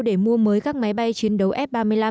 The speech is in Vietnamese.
để mua mới các máy bay chiến đấu f ba mươi năm